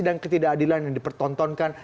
dan ketidakadilan yang dipertontonkan